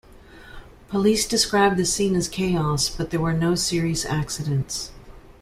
Police described the scene as chaos but there were no serious accidents.